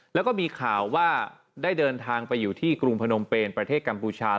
แล้วก็มีข่าวว่าได้เดินทางไปอยู่ที่กรุงพนมเป็นประเทศกัมพูชา